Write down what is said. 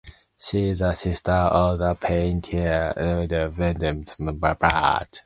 She is the sister of the painter Waldo Diaz-Balart and the late Rafael Diaz-Balart.